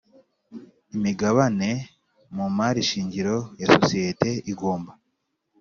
Imigabane mu mari shingiro ya sosiyete igomba